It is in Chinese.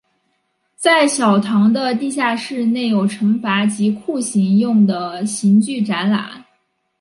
在小堂的地下室内有惩罚及酷刑用的刑具展览。